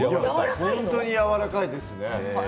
本当にやわらかいですね。